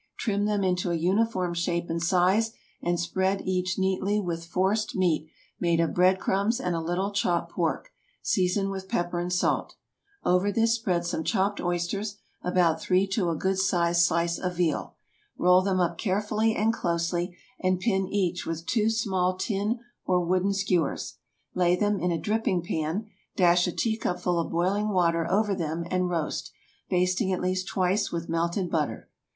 Trim them into a uniform shape and size, and spread each neatly with forced meat made of bread crumbs and a little chopped pork, seasoned with pepper and salt. Over this spread some chopped oysters, about three to a good sized slice of veal. Roll them up carefully and closely, and pin each with two small tin or wooden skewers. Lay them in a dripping pan; dash a teacupful of boiling water over them, and roast, basting at least twice with melted butter.